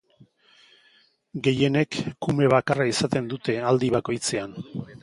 Gehienek kume bakarra izaten dute aldi bakoitzean.